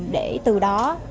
để từ đó